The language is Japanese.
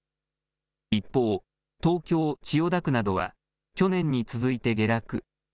一方、東京・千代田区などは去年に続いて下落。